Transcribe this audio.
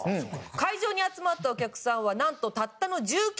「会場に集まったお客さんはなんとたったの１９人だった」